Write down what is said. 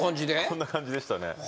こんな感じでしたね。